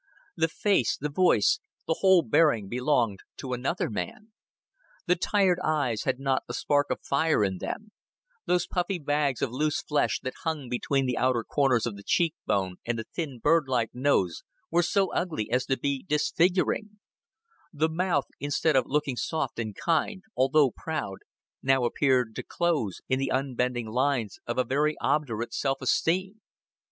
The face, the voice, the whole bearing belonged to another man. The tired eyes had not a spark of fire in them; those puffy bags of loose flesh, that hung between the outer corners of the cheekbones and the thin birdlike nose, were so ugly as to be disfiguring; the mouth, instead of looking soft and kind, although proud, now appeared to close in the unbending lines of a very obdurate self esteem.